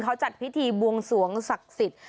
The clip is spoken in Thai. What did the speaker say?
เขาจัดพิธีบวงสวงศักดิ์สิทธิ์